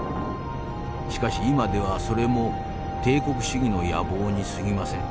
しかし今ではそれも帝国主義の野望にすぎません。